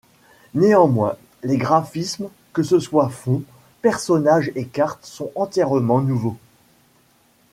Néanmoins, les graphismes, que ce soit fonds, personnages et cartes sont entièrement nouveaux.